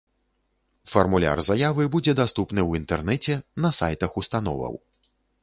Фармуляр заявы будзе даступны ў інтэрнэце на сайтах установаў.